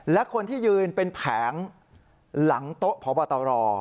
และคนที่ยืนเป็นแผงหลังโต๊ะพบตร